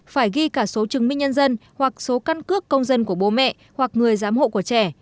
phải ghi cả số chứng minh nhân dân hoặc số căn cước công dân của bố mẹ hoặc người giám hộ của trẻ